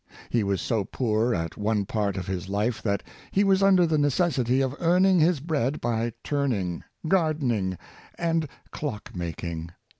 He was so poor at one part of his life, that he was under the necessity of earning his bread by turning, gardening, and clock making.